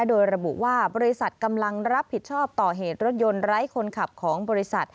โดยระบุว่าบริษัทกำลังรับผิดชอบต่อเหตุรถยนต์ไร้คนขับของบริษัท